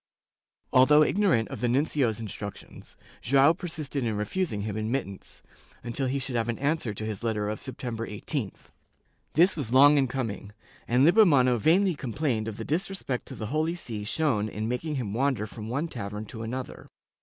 ^ Although ignorant of the nuncio's instructions, Joao persisted in refusing him admittance, until he should have an answer to his letter of September 18th. This was long in coming, and Lippo mano vainly complained of the disrespect to the Holy See shown in making him wander from one tavern to another.